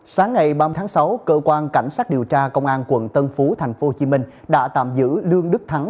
sáng ngày ba mươi tháng sáu cơ quan cảnh sát điều tra công an quận tân phú tp hcm đã tạm giữ lương đức thắng